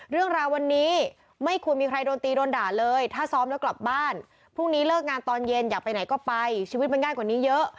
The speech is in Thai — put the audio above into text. เรื่องราววันนี้ไม่ควรมีใครโดนตีโดนด่าเลยถ้าซ้อมแล้วกลับบ้านพรุ่งนี้เลิกงานตอนเย็นอยากไปไหนก็ไปชีวิตมันง่ายกว่านี้เยอะ